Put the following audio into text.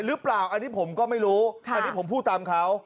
หรือเปล่าอันนี้ผมก็ไม่รู้อันนี้ผมพูดตามเขา